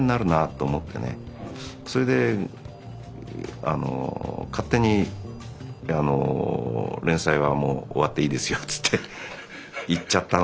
それで勝手にあの「連載はもう終わっていいですよ」つって言っちゃったのかな。